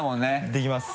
できます。